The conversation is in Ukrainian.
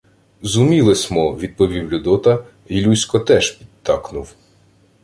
— Зуміли смо, — відповів Людота, й Лосько теж підтакнув.